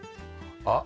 あっ。